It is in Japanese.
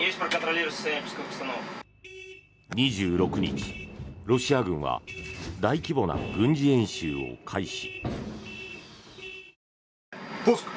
２６日、ロシア軍は大規模な軍事演習を開始。